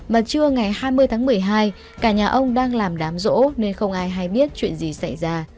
mà trưa ngày hai mươi tháng một mươi hai cả nhà ông đang làm đám rỗ nên không ai hay biết chuyện gì xảy ra